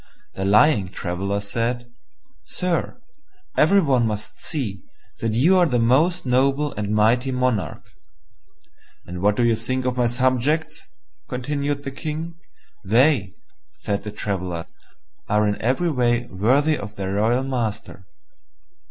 The lying Traveller said, "Sire, every one must see that you are a most noble and mighty monarch." "And what do you think of my subjects?" continued the King. "They," said the Traveller, "are in every way worthy of their royal master."